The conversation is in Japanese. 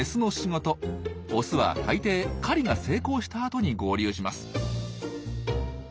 オスは大抵狩りが成功したあとに合流します。